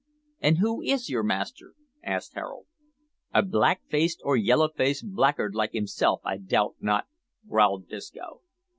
"And who is your master?" asked Harold. "A black faced or yellow faced blackguard like himself, I doubt not," growled Disco.